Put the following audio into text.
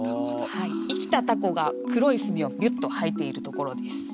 はい生きたタコが黒い墨をビュッと吐いているところです。